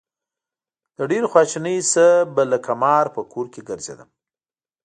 له ډېرې خواشینۍ نه به لکه مار په کور کې ګرځېدم.